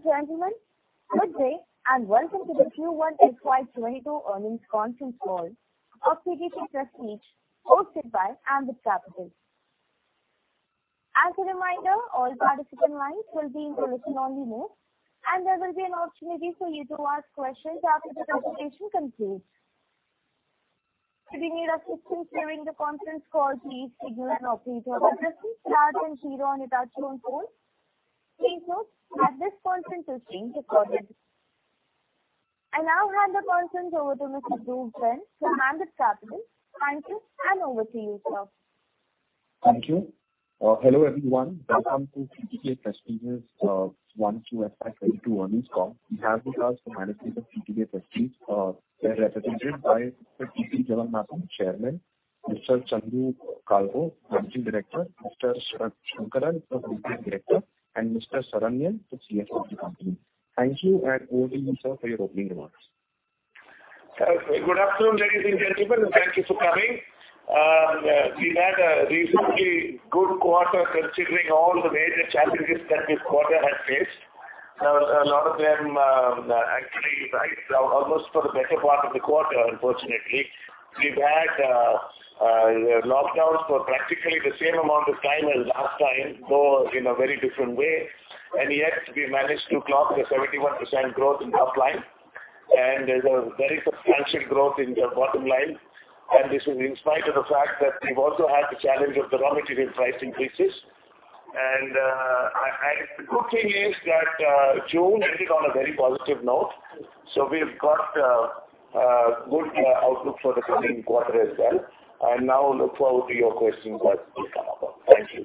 Ladies and gentlemen, good day and welcome to the Q1 FY22 earnings conference call of TTK Prestige hosted by Ambit Capital. As a reminder, all participant lines will be in listen-only mode, and there will be an opportunity for you to ask questions after the presentation concludes. If you need assistance during the conference call, please press star then zero on your touchtone phone. Please note, this conference is being recorded. I now hand the conference over to Mr. Dhruv Jain from Ambit Capital. Thank you, and over to you, sir. Thank you. Hello everyone, welcome to TTK Prestige's Q1 FY22 earnings call. We have with us the management of TTK Prestige. They're represented by Mr. T.T. Jagannathan, Chairman, Mr. Chandru Kalro, Managing Director, Mr. K. Shankaran, the Whole-time Director, and Mr. R. Saranyan, the CFO of the company. Thank you, and over to you, sir, for your opening remarks. Okay, good afternoon, ladies and gentlemen, and thank you for coming. We had a relatively good quarter considering all the major challenges that this quarter had faced. Now, a lot of them actually right almost for the better part of the quarter, unfortunately. We've had lockdowns for practically the same amount of time as last time, though in a very different way. Yet, we managed to clock the 71% growth in top line, and there's a very substantial growth in the bottom line. This is in spite of the fact that we've also had the challenge of the raw material price increases. The good thing is that June ended on a very positive note, so we've got good outlook for the coming quarter as well. Now, look forward to your questions as they come up. Thank you.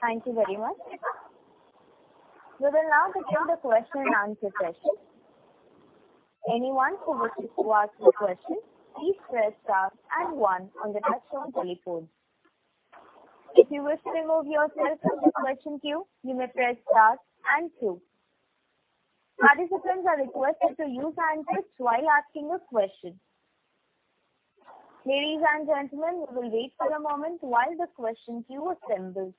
Thank you very much. We will now begin the question-and-answer session. Anyone who wishes to ask a question, please press star and one on the touchphone telephone. If you wish to remove yourself from the question queue, you may press star and two. Participants are requested to use hand switches while asking a question. Ladies and gentlemen, we will wait for a moment while the question queue assembles.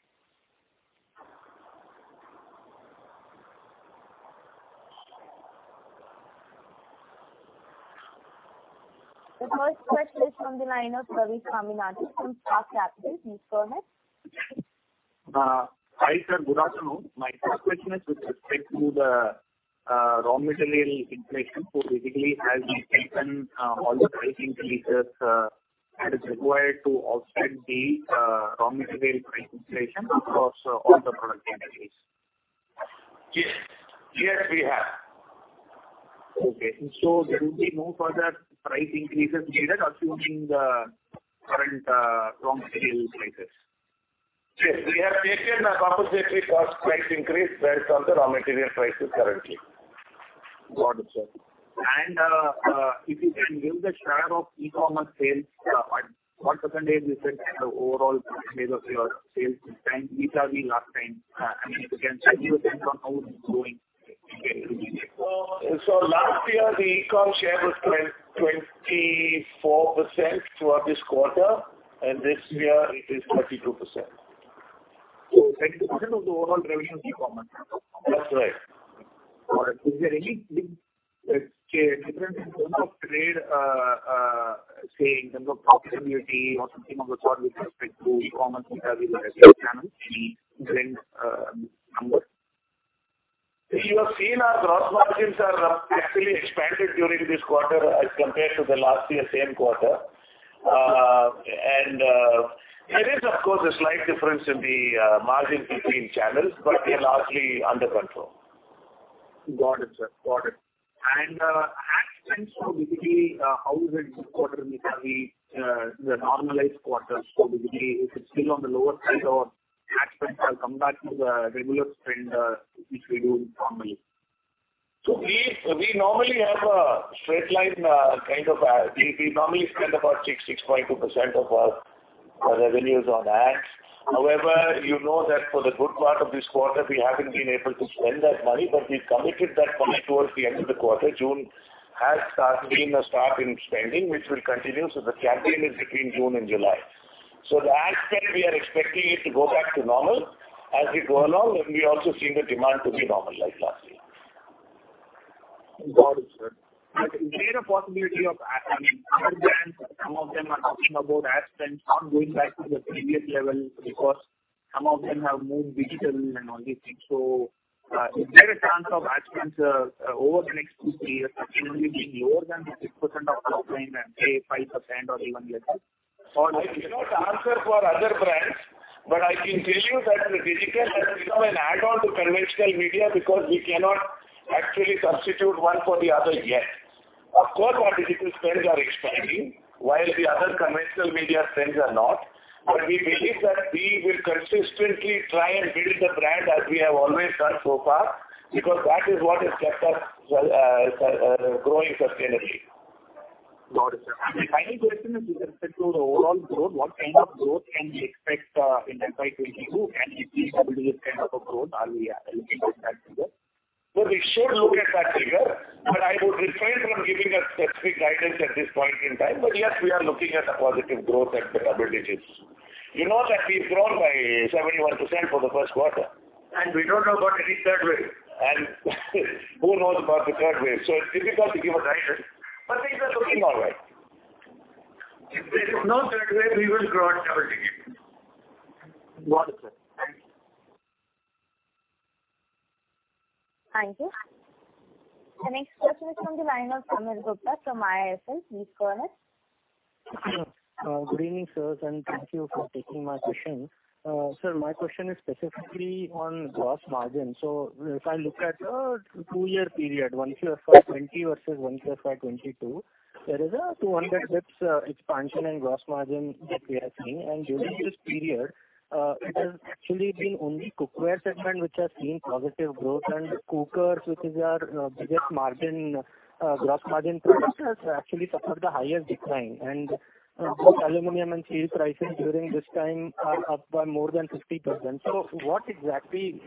The first question is from the line of Ravi Swaminathan from Spark Capital. Please go ahead. Hi sir, good afternoon. My first question is with respect to the raw material inflation, so basically, has we taken all the price increases that is required to offset the raw material price inflation across all the product categories? Yes. Yes, we have. Okay. So do we know whether price increases are needed assuming the current raw material prices? Yes, we have taken a compensatory cost price increase based on the raw material prices currently. Got it, sir. And if you can give the share of e-commerce sales, what percentage you said had the overall share of your sales this time, which are the last time? I mean, if you can send me a sense on how it's going. Last year, the E-com share was 24% throughout this quarter, and this year it is 32%. 30% of the overall revenue is E-commerce? That's right. Got it. Is there any big difference in terms of trade, say in terms of profitability or something of the sort with respect to e-commerce, which are the revenue channels, any trend number? You have seen our gross margins are actually expanded during this quarter as compared to the last year's same quarter. There is, of course, a slight difference in the margin between channels, but they're largely under control. Got it, sir. Got it. And that trends, so basically, how is it this quarter, which are the normalized quarters? So basically, if it's still on the lower side, or that trends have come back to the regular trend which we do normally? So we normally spend about 6.2% of our revenues on ads. However, you know that for the good part of this quarter, we haven't been able to spend that money, but we've committed that money towards the end of the quarter. June has been a start in spending which will continue, so the campaign is between June and July. So the ad spend, we are expecting it to go back to normal as we go along, and we're also seeing the demand to be normal like last year. Got it, sir. Is there a possibility of, I mean, other brands, some of them are talking about ad spends, not going back to the previous level because some of them have moved digital and all these things? So is there a chance of ad spends over the next 2-3 years continually being lower than 6% of top line and say 5% or even less? I cannot answer for other brands, but I can tell you that the digital has become an add-on to conventional media because we cannot actually substitute one for the other yet. Of course, our digital spends are expanding while the other conventional media spends are not, but we believe that we will consistently try and build the brand as we have always done so far because that is what has kept us growing sustainably. Got it, sir. The final question is with respect to the overall growth, what kind of growth can we expect in FY22? Can we see this kind of a growth? Are we looking at that figure? Well, we should look at that figure, but I would refrain from giving us specific guidance at this point in time. But yes, we are looking at a positive growth at the double digits. You know that we've grown by 71% for the first quarter. We don't know about any third wave. Who knows about the third wave? So it's difficult to give a guidance, but things are looking all right. If there is no third wave, we will grow at double digits. Got it, sir. Thank you. Thank you. The next question is from the line of Sameer Gupta from IIFL. Please go ahead. Good evening, sir, and thank you for taking my question. Sir, my question is specifically on gross margin. So if I look at the two-year period, Q1 FY20 versus Q1 FY22, there is a 200 basis points expansion in gross margin that we are seeing. And during this period, it has actually been only cookware segment which has seen positive growth, and cookers, which is our biggest gross margin product, has actually suffered the highest decline. And aluminum and steel prices during this time are up by more than 50%. So what exactly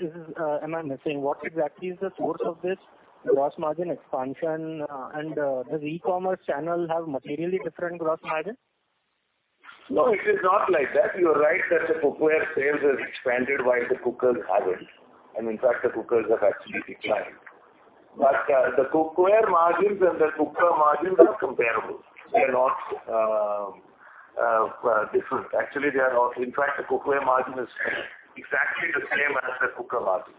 am I missing? What exactly is the source of this gross margin expansion? And does e-commerce channel have materially different gross margin? No, it is not like that. You're right that the cookware sales have expanded while the cookers haven't. And in fact, the cookers have actually declined. But the cookware margins and the cooker margins are comparable. They are not different. Actually, they are all in fact, the cookware margin is exactly the same as the cooker margin.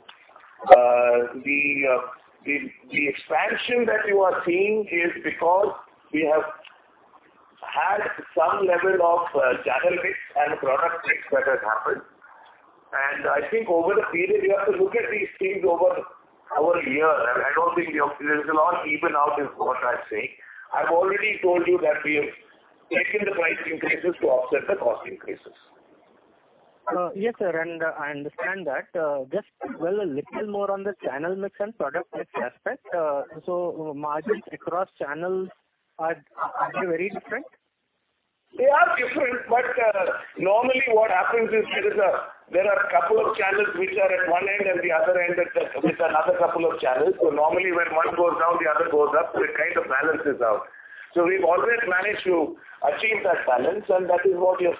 The expansion that you are seeing is because we have had some level of channel mix and product mix that has happened. And I think over the period, we have to look at these things over a year. I don't think there's a lot even out is what I'm saying. I've already told you that we have taken the price increases to offset the cost increases. Yes, sir, and I understand that. Just a little more on the channel mix and product mix aspect. Margins across channels, are they very different? They are different, but normally what happens is there are a couple of channels which are at one end and the other end with another couple of channels. So normally when one goes down, the other goes up, so it kind of balances out. So we've always managed to achieve that balance, and that is what you've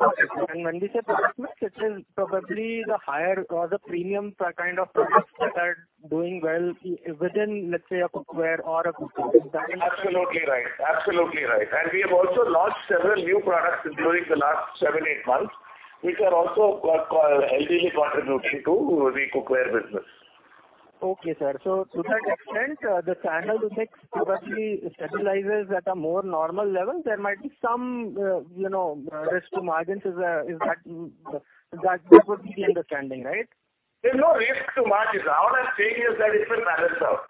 seen. Got it. When we say product mix, it is probably the higher or the premium kind of products that are doing well within, let's say, a cookware or a cooking business. Absolutely right. Absolutely right. And we have also launched several new products during the last 7-8 months which are also heavily contributing to the cookware business. Okay, sir. So to that extent, the channel mix probably stabilizes at a more normal level. There might be some risk to margins. Is that what you're understanding, right? There's no risk to margins. All I'm saying is that it will balance out.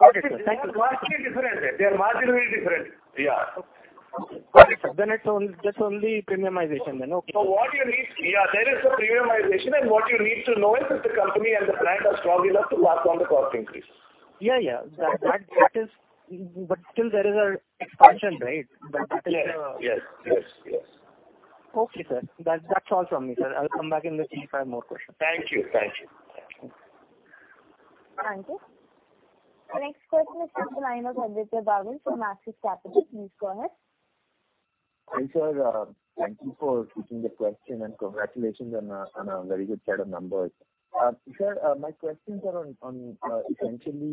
Got it, sir. Thank you. They are marginally different. They are marginally different. Yeah. Okay. Got it, sir. Then it's only premiumization then. Okay. So what you need, there is the premiumization, and what you need to know is if the company and the brand are strong enough to pass on the cost increase. Yeah, yeah. But still, there is an expansion, right? But that is a. Yes. Yes. Yes. Yes. Okay, sir. That's all from me, sir. I'll come back in the three or five more questions. Thank you. Thank you. Thank you. Thank you. The next question is from the line of Aditya Bagul from Axis Capital. Please go ahead. Sir, thank you for taking the question, and congratulations on a very good set of numbers. Sir, my questions are essentially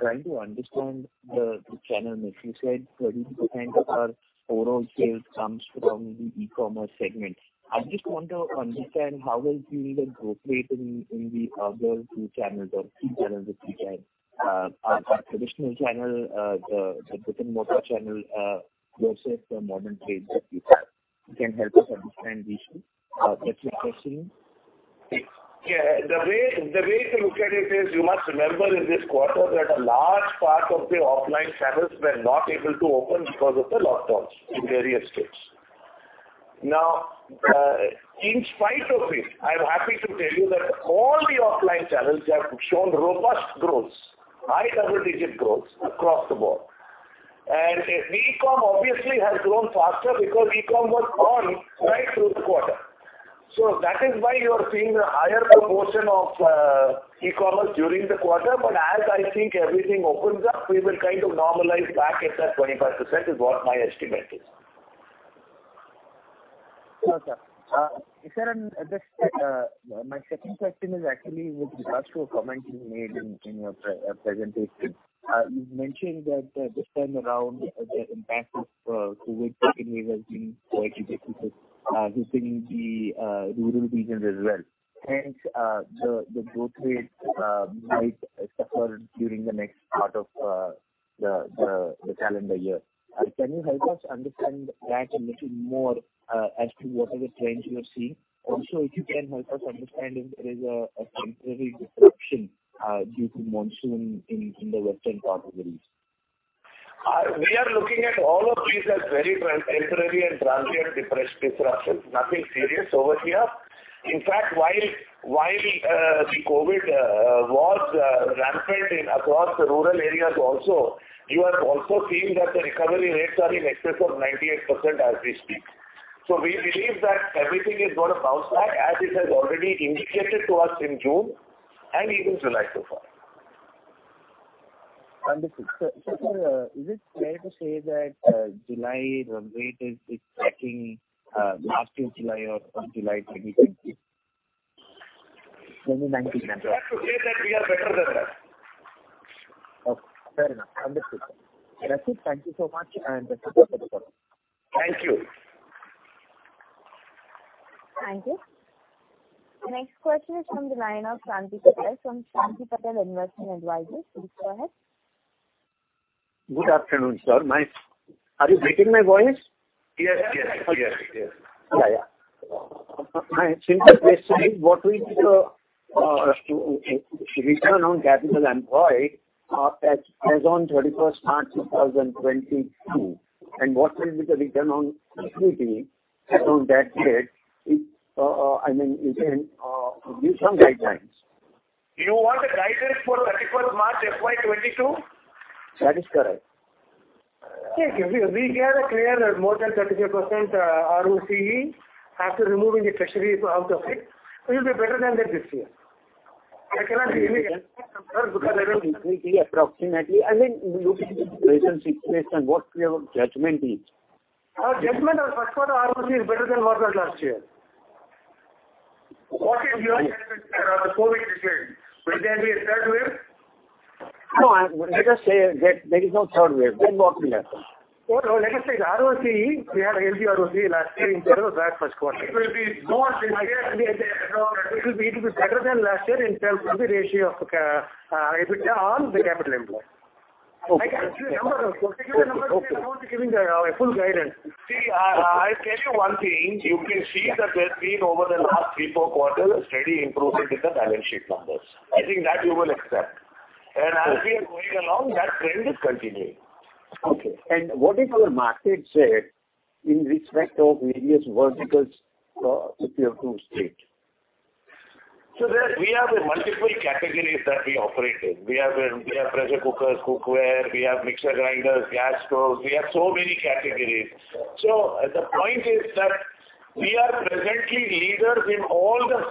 trying to understand the channel mix. You said 30% of our overall sales comes from the e-commerce segment. I just want to understand how well do you need a growth rate in the other two channels or three channels that you had: our traditional channel, the brick-and-mortar channel, versus the modern trade that you have. Can you help us understand these two? That's what you're seeing? Yeah. The way to look at it is you must remember in this quarter that a large part of the offline channels were not able to open because of the lockdowns in various states. Now, in spite of it, I'm happy to tell you that all the offline channels have shown robust growth, high double-digit growth across the board. The e-com obviously has grown faster because e-com was on right through the quarter. So that is why you are seeing a higher proportion of e-commerce during the quarter. But as I think everything opens up, we will kind of normalize back at that 25% is what my estimate is. Okay. Sir, and my second question is actually with regards to a comment you made in your presentation. You've mentioned that this time around, the impact of COVID has been quite significant within the rural regions as well. Hence, the growth rate might suffer during the next part of the calendar year. Can you help us understand that a little more as to what are the trends you are seeing? Also, if you can help us understand if there is a temporary disruption due to monsoon in the western part of the region? We are looking at all of these as very temporary and transient disruptions, nothing serious over here. In fact, while the COVID was rampant across the rural areas also, you have also seen that the recovery rates are in excess of 98% as we speak. So we believe that everything is going to bounce back as it has already indicated to us in June and even July so far. Understood. Sir, is it fair to say that July growth rate is tracking last year's July or July 2020? 2019, I'm sorry. It's not to say that we are better than that. Okay. Fair enough. Understood, sir. That's it. Thank you so much, and thank you for the call. Thank you. Thank you. The next question is from the line of Shanti Patel. From Shanti Patel Investment Advisors. Please go ahead. Good afternoon, sir. Are you breaking my voice? Yes. Yes. Yes. Yes. Yeah, yeah. My simple question is, what will be the return on capital employed as on 31st March 2022, and what will be the return on equity on that date? I mean, you can give some guidelines. You want the guidelines for 31st March FY22? That is correct. Yeah. We get a clear more than 35% ROCE after removing the treasury out of it. It will be better than that this year. I cannot give any answer because I don't. 33 approximately. I mean, looking at the situation and what your judgment is? Our judgment on the first quarter ROCE is better than what was last year. What is your judgment, sir, on the COVID decision? Will there be a third wave? No, let us say that there is no third wave. Then what will happen? No, no. Let us say the ROCE, we had a healthy ROCE last year in terms of that first quarter. It will be more this year. It will be better than last year in terms of the ROCE on the capital employed. I can give you the number. I'm going to give you the number. I'm going to give you the full guidance. See, I'll tell you one thing. You can see that there's been over the last 3-4 quarters a steady improvement in the balance sheet numbers. I think that you will accept. And as we are going along, that trend is continuing. Okay. What is our market share in respect of various verticals if you approve straight? So we have multiple categories that we operate in. We have pressure cookers, cookware. We have mixer grinders, gas stoves. We have so many categories. So the point is that we are presently leaders in all the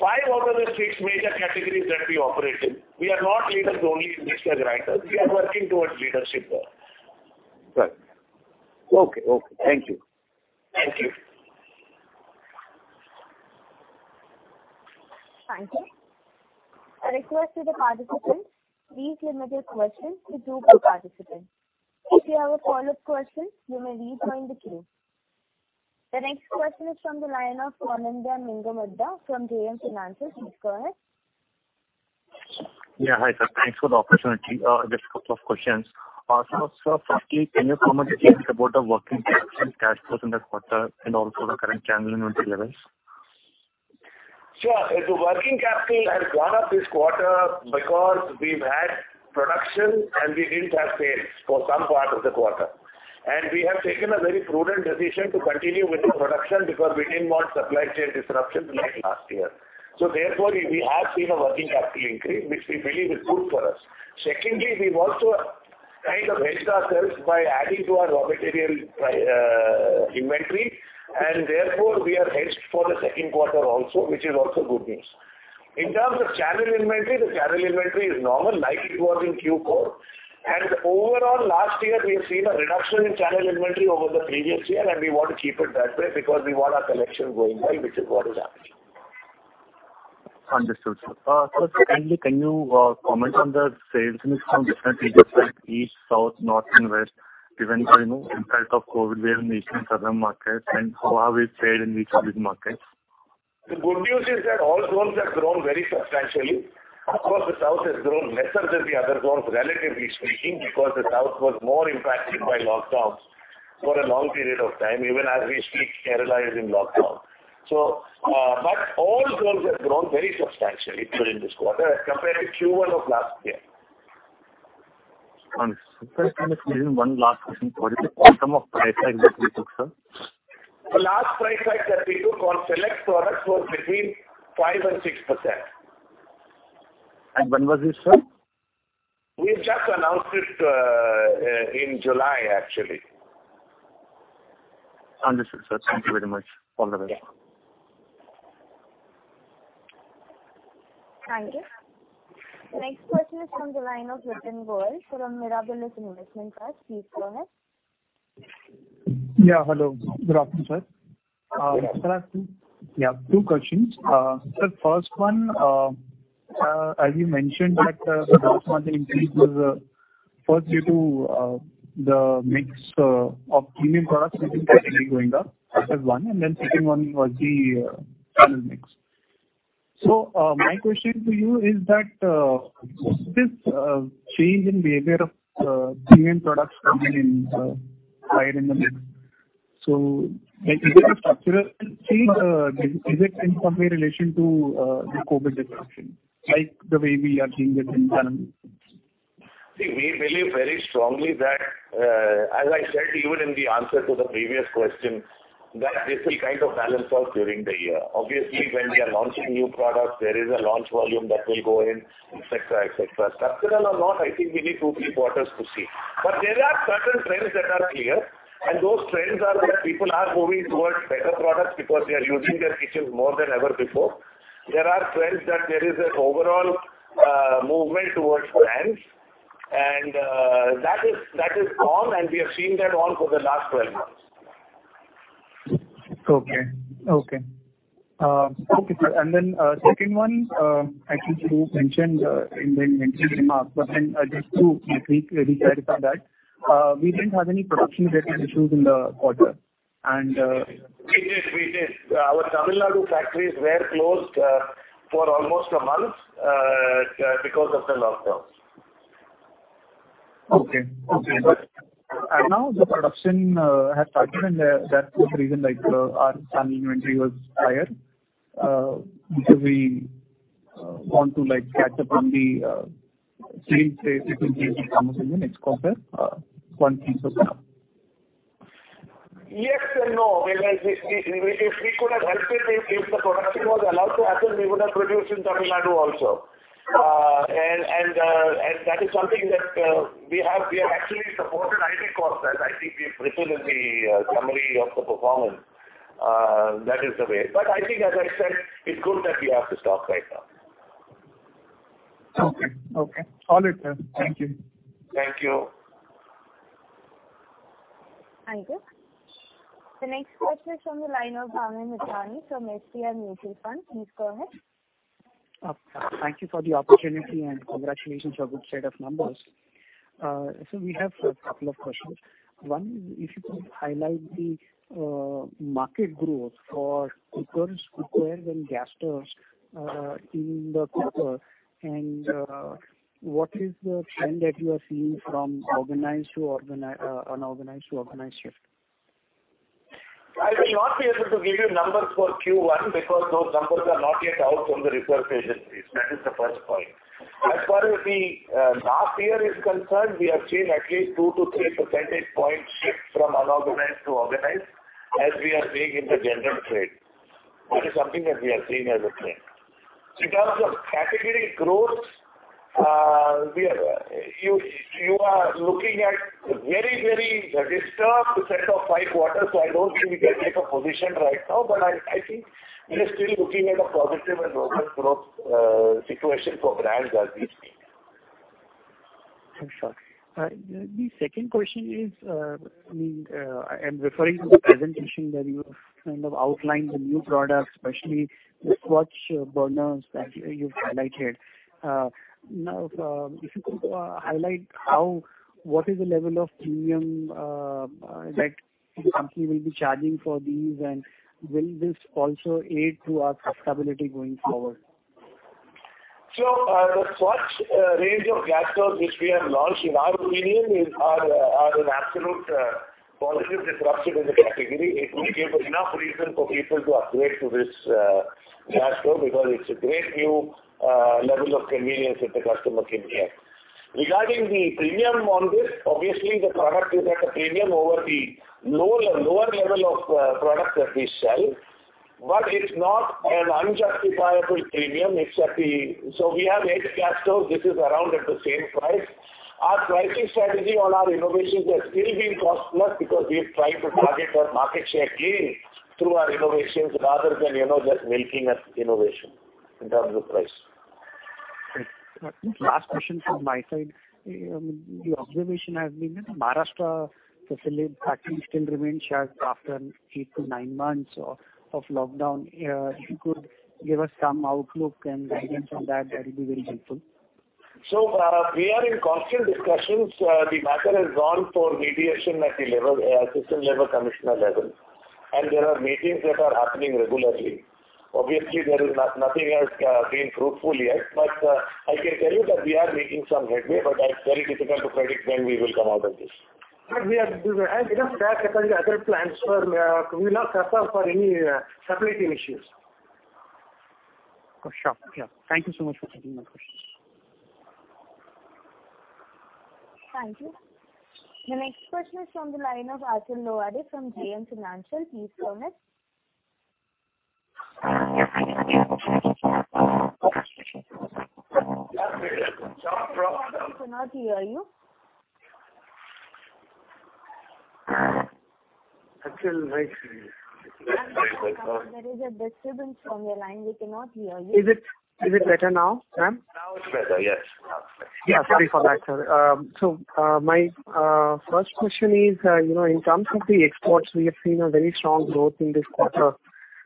five out of the six major categories that we operate in. We are not leaders only in mixer grinders. We are working towards leadership there. Right. Okay. Okay. Thank you. Thank you. Thank you. A request to the participants: please limit your questions to two per participant. If you have a follow-up question, you may rejoin the queue. The next question is from the line of Achal Lohade from JM Financial. Please go ahead. Yeah, hi, sir. Thanks for the opportunity. Just a couple of questions. So, sir, firstly, can you comment a little bit about the working capital and cash flows in the quarter and also the current channel inventory levels? Sure. The working capital has gone up this quarter because we've had production and we didn't have sales for some part of the quarter. We have taken a very prudent decision to continue with the production because we didn't want supply chain disruptions like last year. Therefore, we have seen a working capital increase, which we believe is good for us. Secondly, we've also kind of hedged ourselves by adding to our raw material inventory, and therefore, we are hedged for the second quarter also, which is also good news. In terms of channel inventory, the channel inventory is normal like it was in Q4. Overall, last year, we have seen a reduction in channel inventory over the previous year, and we want to keep it that way because we want our collection going well, which is what is happening. Understood, sir. Sir, secondly, can you comment on the sales mix from different regions like East, South, North, and West, given the impact of COVID wave in each of the southern markets, and how have we fared in each of these markets? The good news is that all zones have grown very substantially. Of course, the South has grown lesser than the other zones, relatively speaking, because the South was more impacted by lockdowns for a long period of time, even as we speak, Kerala is in lockdown. But all zones have grown very substantially during this quarter as compared to Q1 of last year. Since that's the next question, one last question. What is the quantum of price hikes that we took, sir? The last price hike that we took on select products was between 5% and 6%. When was this, sir? We've just announced it in July, actually. Understood, sir. Thank you very much. All the best. Thank you. The next question is from the line of Varun Goel. Sir, I'm Mirae Asset Mutual Fund. Please go ahead. Yeah, hello. Good afternoon, sir. Sir, I have two questions. Sir, first one, as you mentioned, that the gross margin increase was first due to the mix of premium products within category going up, that's one. And then second one was the channel mix. So my question to you is that this change in behavior of premium products coming in higher in the mix, so is it a structural change? Is it in some way in relation to the COVID disruption, like the way we are seeing this in channel mix? See, we believe very strongly that, as I said even in the answer to the previous question, that this will kind of balance out during the year. Obviously, when we are launching new products, there is a launch volume that will go in, etc., etc. Structural or not, I think we need two, three quarters to see. But there are certain trends that are clear, and those trends are that people are moving towards better products because they are using their kitchens more than ever before. There are trends that there is an overall movement towards brands, and that is on, and we have seen that on for the last 12 months. Okay, sir. And then second one, I think you mentioned in the inventory demand, but then just to rectify that, we didn't have any production-related issues in the quarter, and. We did. We did. Our Tamil Nadu factories were closed for almost a month because of the lockdowns. Okay. Okay. Now the production has started, and that's the reason our channel inventory was higher because we want to catch up on the sales rate which will be in the summer in the next quarter once it's open up. Yes and no. If we could have helped it, if the production was allowed to happen, we would have produced in Tamil Nadu also. That is something that we have actually supported incurred costs, as I think we've written in the summary of the performance. That is the way. I think, as I said, it's good that we have the stock right now. Okay. Okay. All right, sir. Thank you. Thank you. Thank you. The next question is from the line of Bhavin Vithlani from SBI Mutual Funds. Please go ahead. Thank you for the opportunity, and congratulations on a good set of numbers. We have a couple of questions. One is, if you could highlight the market growth for cookers, cookware, then gas stoves in the quarter, and what is the trend that you are seeing from organized to unorganized to organized shift? I will not be able to give you numbers for Q1 because those numbers are not yet out from the repair agencies. That is the first point. As far as the last year is concerned, we have seen at least 2-3 percentage points shift from unorganized to organized as we are seeing in the general trade. That is something that we are seeing as a trend. In terms of category growth, you are looking at a very, very disturbed set of five quarters, so I don't think we can take a position right now. But I think we are still looking at a positive and robust growth situation for brands as we speak. For sure. The second question is, I mean, I am referring to the presentation that you have kind of outlined the new products, especially the Svachh burners that you've highlighted. Now, if you could highlight what is the level of premium that the company will be charging for these, and will this also aid to our profitability going forward? So the Svachh range of gas stoves which we have launched, in our opinion, are an absolute positive disruption in the category. It will give enough reason for people to upgrade to this gas stove because it's a great new level of convenience that the customer can get. Regarding the premium on this, obviously, the product is at a premium over the lower level of products that we sell, but it's not an unjustifiable premium. So we have eight gas stoves. This is around at the same price. Our pricing strategy on our innovations has still been cost-plus because we have tried to target our market share gain through our innovations rather than just milking an innovation in terms of price. Last question from my side. I mean, the observation has been that the Maharashtra factory still remains shut after 8-9 months of lockdown. If you could give us some outlook and guidance on that, that will be very helpful. So we are in constant discussions. The matter has gone for mediation at the system level, commissioner level, and there are meetings that are happening regularly. Obviously, there is nothing has been fruitful yet, but I can tell you that we are making some headway, but it's very difficult to predict when we will come out of this. But we are doing it. And let us say as compared to other plans, we're not suffering from any stability issues. For sure. Yeah. Thank you so much for taking my questions. Thank you. The next question is from the line of Achal Lohade from JM Financial. Please go ahead. We cannot hear you. Ajay, nice to hear you. There is a disturbance from your line. We cannot hear you. Is it better now, ma'am? Now it's better. Yes. Now it's better. Yeah. Sorry for that, sir. So my first question is, in terms of the exports, we have seen a very strong growth in this quarter.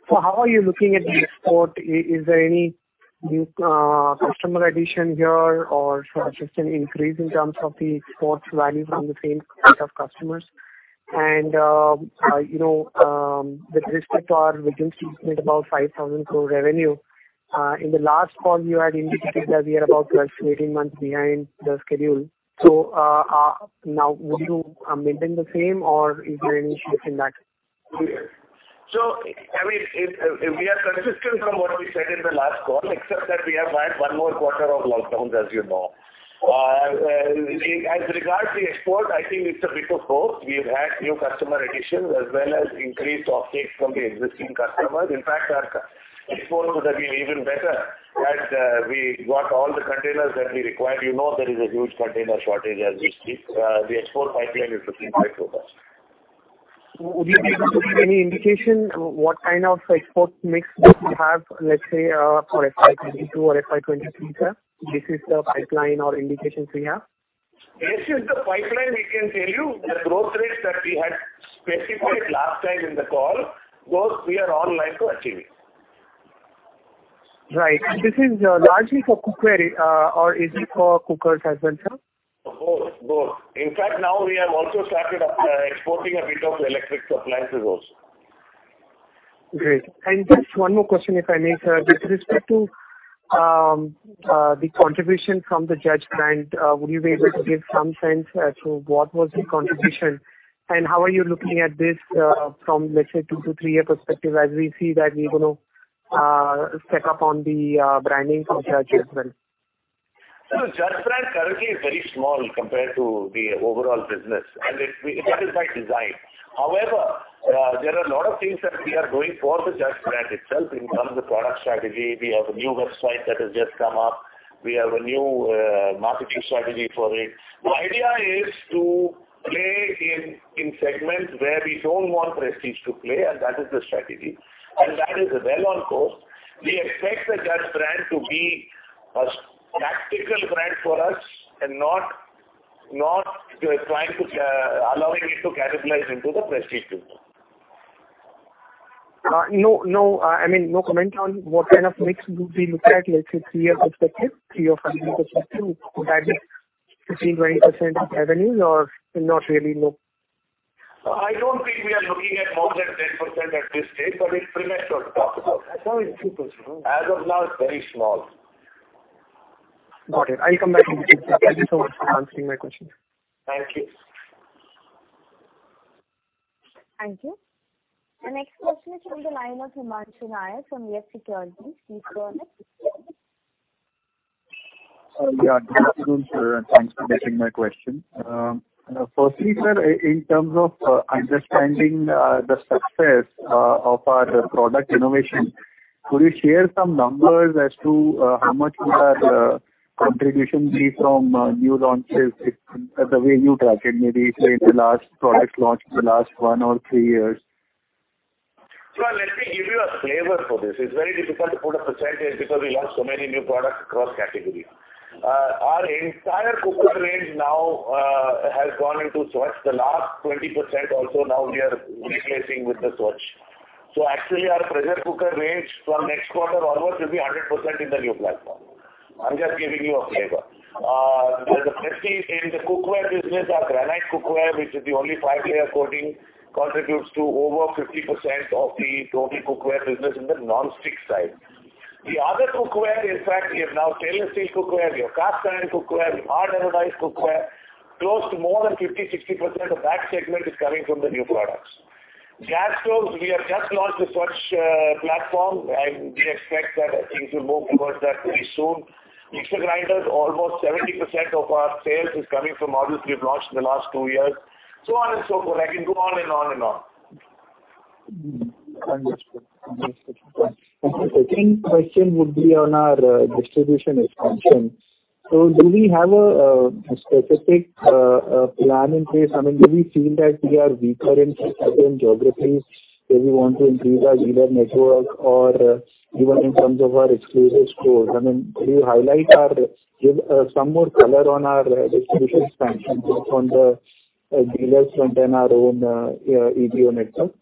So how are you looking at the export? Is there any new customer addition here or some increase in terms of the export value from the same set of customers? And with respect to our region, we've made about 5,000 crore revenue. In the last call, you had indicated that we are about 12-18 months behind the schedule. So now, will you maintain the same, or is there any shift in that? Sure. So, I mean, we are consistent from what we said in the last call, except that we have had one more quarter of lockdowns, as you know. As regards to export, I think it's a bit of both. We've had new customer additions as well as increased offtakes from the existing customers. In fact, our exports would have been even better had we got all the containers that we required. You know there is a huge container shortage as we speak. The export pipeline is looking quite robust. Would you be able to give any indication what kind of export mix that we have, let's say, for FY22 or FY23, sir? This is the pipeline or indications we have? This is the pipeline we can tell you. The growth rates that we had specified last time in the call, those we are on track to achieve. Right. This is largely for cookware, or is it for cookers as well, sir? Both. Both. In fact, now we have also started exporting a bit of electric appliances also. Great. Just one more question, if I may, sir. With respect to the contribution from the Judge brand, would you be able to give some sense as to what was the contribution, and how are you looking at this from, let's say, two- to three-year perspective as we see that we're going to step up on the branding from Judge as well? So the Judge brand currently is very small compared to the overall business, and that is by design. However, there are a lot of things that we are doing for the Judge brand itself in terms of product strategy. We have a new website that has just come up. We have a new marketing strategy for it. The idea is to play in segments where we don't want Prestige to play, and that is the strategy. And that is well on course. We expect the Judge brand to be a tactical brand for us and not allowing it to cannibalize into the Prestige business. No. I mean, no comment on what kind of mix would we look at, let's say, three-year perspective, three or five-year perspective? Would that be 15, 20% revenue, or not really? I don't think we are looking at more than 10% at this stage, but it's premature to talk about. I saw it too, sir. As of now, it's very small. Got it. I'll come back in a few seconds. Thank you so much for answering my question. Thank you. Thank you. The next question is from the line of Himanshu Nayyar from Yes Securities. Please go ahead. Yeah. Good afternoon, sir, and thanks for asking my question. Firstly, sir, in terms of understanding the success of our product innovation, could you share some numbers as to how much will our contribution be from new launches the way you track it, maybe say, in the last products launched in the last one or three years? Sir, let me give you a flavor for this. It's very difficult to put a percentage because we launched so many new products across categories. Our entire cooker range now has gone into Svachh. The last 20% also, now we are replacing with the Svachh. So actually, our pressure cooker range from next quarter onwards will be 100% in the new platform. I'm just giving you a flavor. In the cookware business, our Granite cookware, which is the only five-layer coating, contributes to over 50% of the total cookware business in the non-stick side. The other cookware, in fact, we have now stainless steel cookware. We have cast iron cookware. We have hard anodized cookware. Close to more than 50%-60% of that segment is coming from the new products. Gas Stoves, we have just launched the Svachh platform, and we expect that things will move towards that pretty soon. Mixer Grinders, almost 70% of our sales is coming from models we've launched in the last two years, so on and so forth. I can go on and on and on. Understood. Understood. Thank you. The second question would be on our distribution expansion. Do we have a specific plan in place? I mean, do we feel that we are weaker in certain geographies where we want to increase our dealer network or even in terms of our exclusive stores? I mean, could you highlight or give some more color on our distribution expansion from the dealer front and our own EBO network?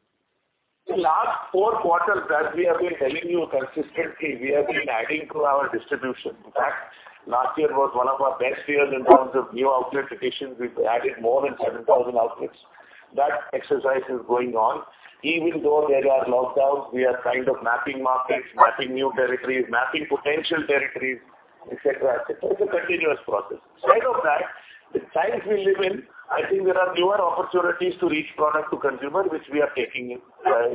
The last four quarters that we have been telling you consistently, we have been adding to our distribution. In fact, last year was one of our best years in terms of new outlet additions. We've added more than 7,000 outlets. That exercise is going on. Even though there are lockdowns, we are kind of mapping markets, mapping new territories, mapping potential territories, etc., etc. It's a continuous process. Instead of that, the times we live in, I think there are newer opportunities to reach product to consumer, which we are taking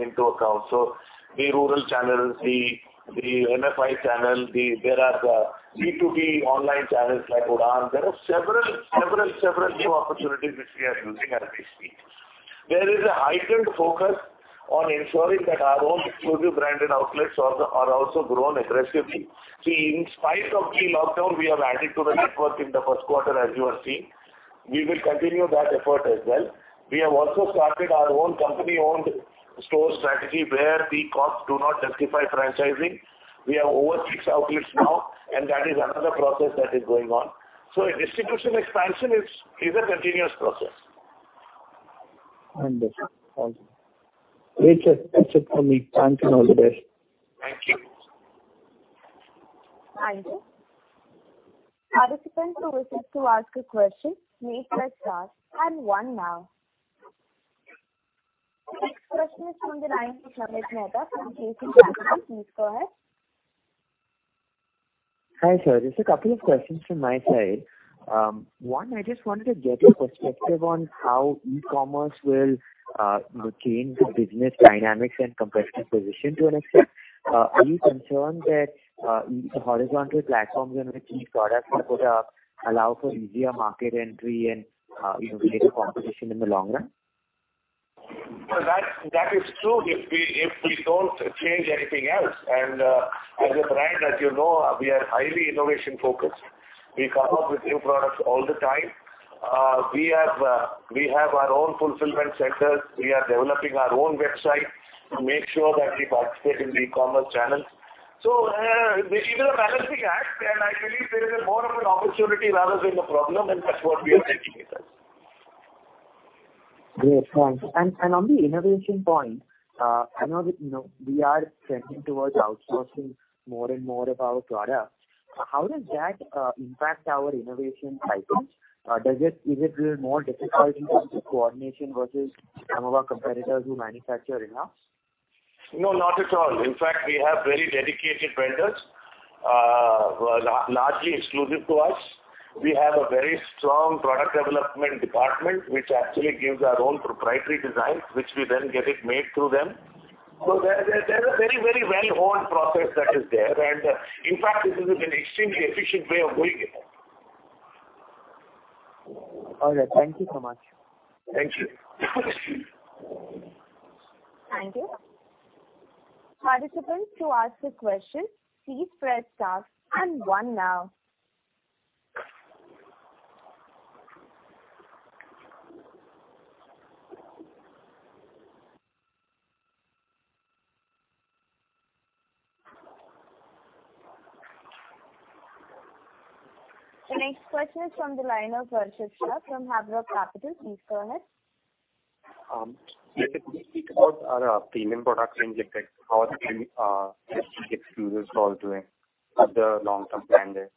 into account. So the rural channels, the MFI channel, there are the B2B online channels like Udaan. There are several, several, several new opportunities which we are using as we speak. There is a heightened focus on ensuring that our own exclusive branded outlets are also grown aggressively. See, in spite of the lockdown, we have added to the network in the first quarter, as you are seeing. We will continue that effort as well. We have also started our own company-owned store strategy where the costs do not justify franchising. We have over six outlets now, and that is another process that is going on. So distribution expansion is a continuous process. Understood. All good. Great, sir. That's it from me. Thank you and all the best. Thank you. Thank you. Participants who wish to ask a question, please press star and one now. The next question is from the line of Himanshu Nayyar from Yes Securities. Please go ahead. Hi, sir. Just a couple of questions from my side. One, I just wanted to get your perspective on how e-commerce will change the business dynamics and competitive position to an extent. Are you concerned that the horizontal platforms on which these products are put up allow for easier market entry and create competition in the long run? Well, that is true if we don't change anything else. And as a brand, as you know, we are highly innovation-focused. We come up with new products all the time. We have our own fulfillment centers. We are developing our own website to make sure that we participate in the e-commerce channels. So it is a balancing act, and I believe there is more of an opportunity rather than a problem, and that's what we are taking it as. Great point. On the innovation point, I know that we are trending towards outsourcing more and more of our products. How does that impact our innovation cycles? Is it more difficult in terms of coordination versus some of our competitors who manufacture enough? No, not at all. In fact, we have very dedicated vendors largely exclusive to us. We have a very strong product development department which actually gives our own proprietary designs, which we then get it made through them. So there's a very, very well-honed process that is there. And in fact, this has been an extremely efficient way of doing it. All right. Thank you so much. Thank you. Thank you. Participants who asked a question, please press star and one now. The next question is from the line of Varshit Shah from Emkay Global Financial Services. Please go ahead. Let me speak about our premiumization. How are the premium exclusives all doing with the long-term plan there?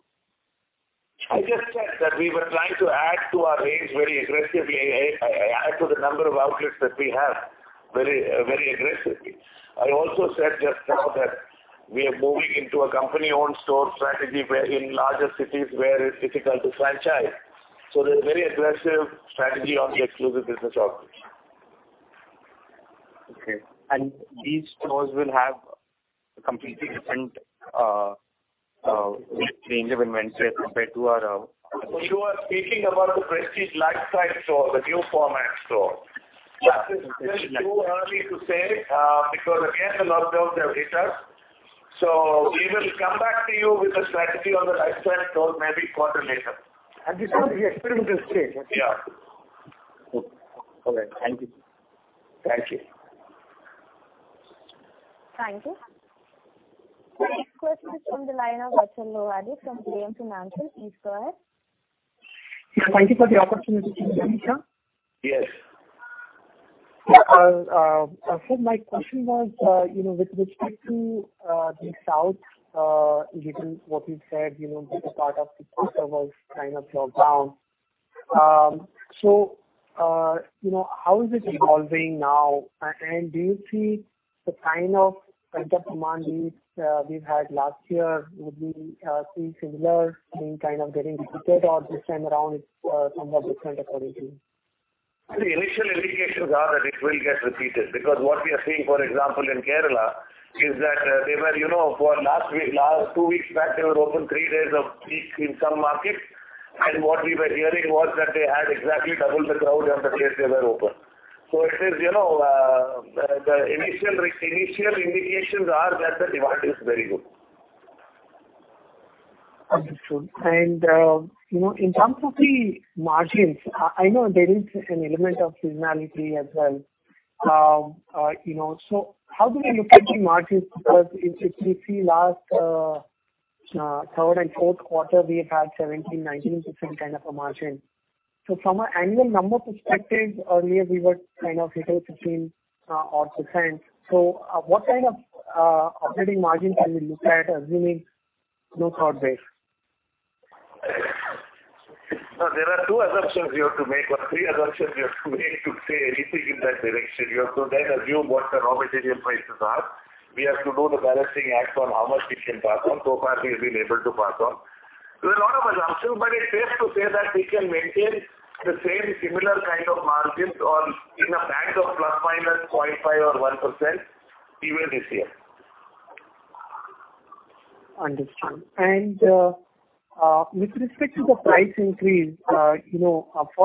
I just said that we were trying to add to our range very aggressively, add to the number of outlets that we have very aggressively. I also said just now that we are moving into a company-owned store strategy in larger cities where it's difficult to franchise. So there's a very aggressive strategy on the exclusive business outlets. Okay. And these stores will have a completely different range of inventory as compared to our other stores? You are speaking about the Prestige Lifestyle Store, the new format store. That is a bit too early to say because, again, the lockdowns have hit us. So we will come back to you with a strategy on the Lifestyle Stores maybe a quarter later. This one is experimental today, yes? Yeah. Okay. All right. Thank you. Thank you. Thank you. The next question is from the line of Achal Lohade from JM Financial. Please go ahead. Yeah. Thank you for the opportunity, sir. Yes. Yeah. So my question was, with respect to the South, what you said, part of the South was kind of locked down. So how is it evolving now? And do you see the kind of pent-up demand we've had last year would be seen similar being kind of getting repeated, or this time around, it's somewhat different, according to you? The initial indications are that it will get repeated because what we are seeing, for example, in Kerala, is that they were, for two weeks back, they were open three days a week in some markets. What we were hearing was that they had exactly double the crowd on the days they were open. It is the initial indications are that the demand is very good. Understood. In terms of the margins, I know there is an element of seasonality as well. How do we look at the margins? Because if we see last third and fourth quarter, we have had 17%, 19% kind of a margin. From an annual number perspective, earlier, we were kind of hit 15 odd%. What kind of operating margin can we look at assuming no COVID base? There are two assumptions you have to make or three assumptions you have to make to say anything in that direction. You have to then assume what the raw material prices are. We have to do the balancing act on how much we can pass on. So far, we have been able to pass on. So there's a lot of assumptions, but it's safe to say that we can maintain the same similar kind of margins or in a band of ±0.5% or 1% even this year. Understood. With respect to the price increase, for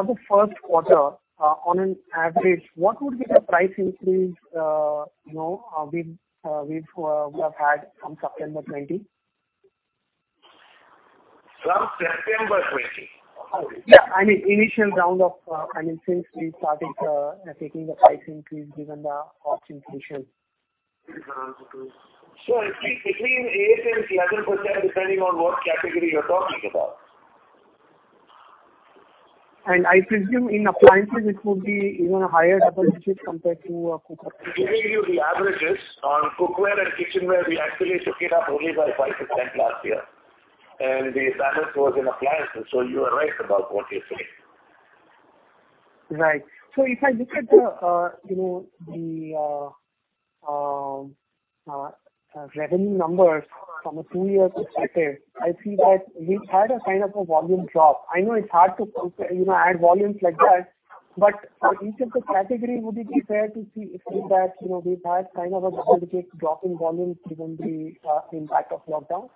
the first quarter, on an average, what would be the price increase we have had from September 2020? From September 20? Yeah. I mean, initial round of I mean, since we started taking the price increase given the cost inflation. Sure. Between 8% and 11%, depending on what category you're talking about. I presume in appliances, it would be even a higher double digit compared to cookware. Giving you the averages on cookware and kitchenware, we actually took it up only by 5% last year, and the balance was in appliances. So you are right about what you're saying. Right. So if I look at the revenue numbers from a two-year perspective, I see that we've had a kind of a volume drop. I know it's hard to add volumes like that, but for each of the categories, would it be fair to see that we've had kind of a double-digit drop in volume given the impact of lockdown?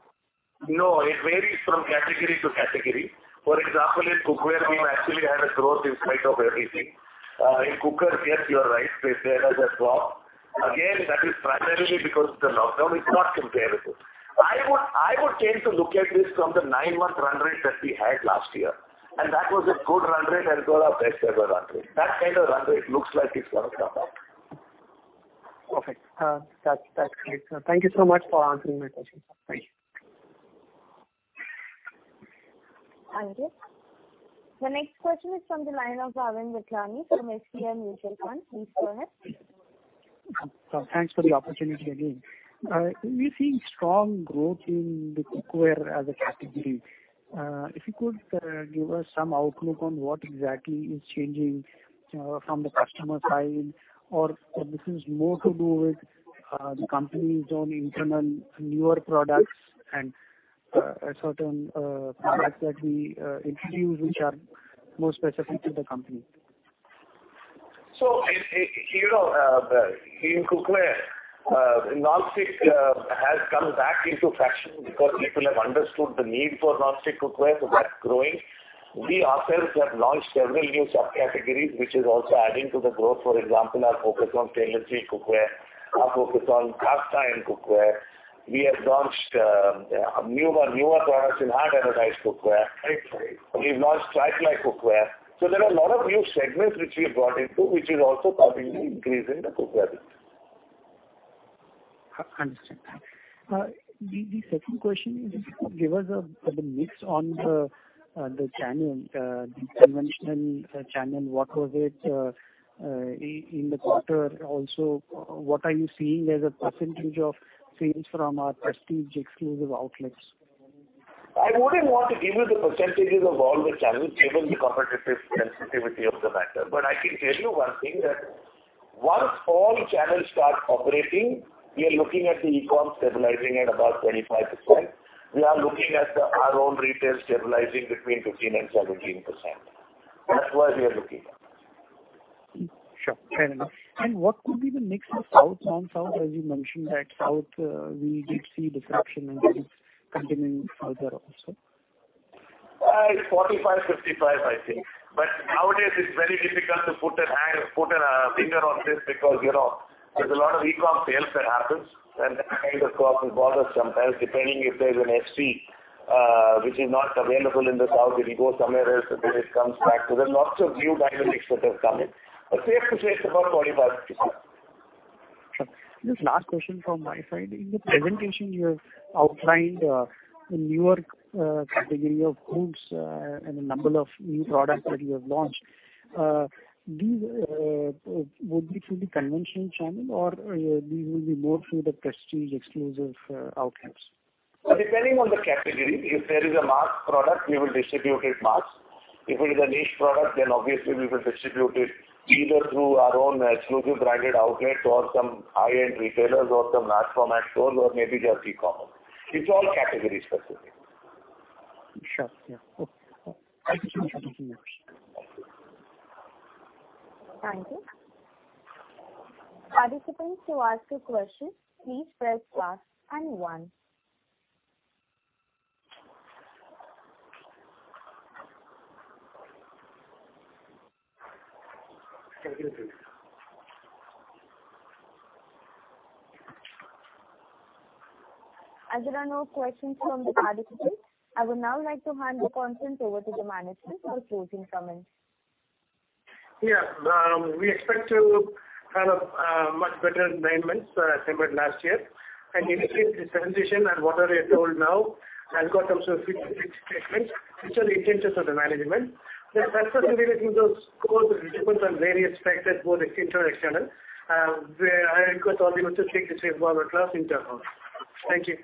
No. It varies from category to category. For example, in cookware, we've actually had a growth in spite of everything. In cookers, yes, you are right. There has a drop. Again, that is primarily because of the lockdown. It's not comparable. I would tend to look at this from the nine-month run rate that we had last year, and that was a good run rate and was our best-ever run rate. That kind of run rate looks like it's going to come up. Okay. That's great, sir. Thank you so much for answering my question, sir. Thank you. Thank you. The next question is from the line of Ravindra Jaini from SBI Mutual Funds. Please go ahead. Thanks for the opportunity again. We're seeing strong growth in the cookware as a category. If you could give us some outlook on what exactly is changing from the customer side or. But this is more to do with the company's own internal newer products and certain products that we introduce which are more specific to the company. So in cookware, Non-Stick Cookware has come back into fashion because people have understood the need for Non-Stick Cookware, so that's growing. We ourselves have launched several new subcategories, which is also adding to the growth. For example, our focus on stainless steel cookware. Our focus on cast iron cookware. We have launched newer products in hard anodized cookware. We've launched Tri-ply cookware. So there are a lot of new segments which we have brought into, which is also probably increasing the cookware business. Understood. The second question is, give us the mix on the channel, the conventional channel. What was it in the quarter? Also, what are you seeing as a percentage of sales from our Prestige exclusive outlets? I wouldn't want to give you the percentages of all the channels given the competitive sensitivity of the matter, but I can tell you one thing that once all channels start operating, we are looking at the e-com stabilizing at about 25%. We are looking at our own retail stabilizing between 15%-17%. That's what we are looking at. Sure. Fair enough. And what would be the mix of South, non-South? As you mentioned that South, we did see disruption, and it's continuing further also. It's 45-55, I think. But nowadays, it's very difficult to put a finger on this because there's a lot of e-com sales that happens, and that kind of causes bothers sometimes. Depending if there's an SP which is not available in the South, it will go somewhere else, and then it comes back. So there's lots of new dynamics that have come in. But safe to say it's about 45-55. Sure. Just last question from my side. In the presentation, you have outlined a newer category of foods and a number of new products that you have launched. These would be through the conventional channel, or these will be more through the Prestige exclusive outlets? Well, depending on the category. If there is a mass product, we will distribute it mass. If it is a niche product, then obviously, we will distribute it either through our own exclusive branded outlets or some high-end retailers or some large-format stores or maybe just e-commerce. It's all category-specific. Sure. Yeah. Okay. Thank you. Thank you. Participants who asked a question, please press star and one. Categories. As there are no questions from the participants, I would now like to hand the conference over to the management for closing comments. Yeah. We expect to have a much better assignment last year. In this presentation and what you are told now, I've got some statements which are the intentions of the management. The success in reaching those goals depends on various factors, both internal and external. I request all you to take this environment class internally. Thank you.